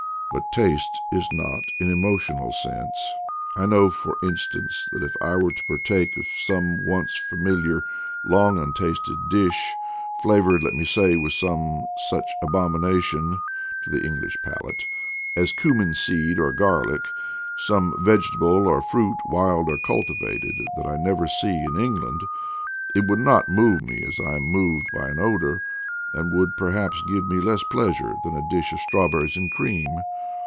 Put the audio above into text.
But taste is not an emotional sense. I know, for in stance, that if I were to partake of some once familiar, long untasted dish, flavored, let me say, with some such abomination (to the English pal ate) as cummin seed or garlic; some vegetable, or fruit, wild or cultivated, that I never see in Eng land, it would not move me as I am moved by an odor, and would perhaps give me less pleasure than a dish of strawberries and cream.